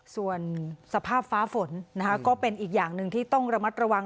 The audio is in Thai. ส่วนสภาพฟ้าฝนนะคะก็เป็นอีกอย่างหนึ่งที่ต้องระมัดระวัง